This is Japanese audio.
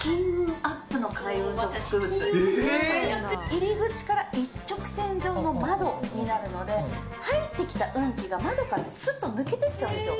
入り口から一直線上の窓になるので入ってきた運気が窓からすっと抜けていっちゃうんですよ。